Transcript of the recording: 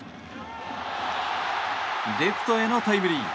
レフトへのタイムリー。